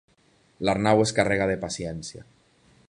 L'Arnau es carrega de paciència.